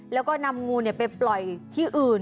แล้วก็นำงูไปปล่อยที่อื่น